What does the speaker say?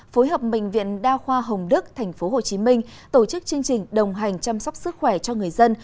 phối hợp bệnh viện đa khoa hồng đức tp hcm tổ chức chương trình đồng hành chăm sóc sức khỏe cho người dân